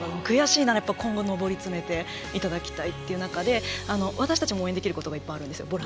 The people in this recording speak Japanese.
今後上り詰めていきたいっていう中で私たちもいっぱい応援できることがいっぱいあると思うんですよ。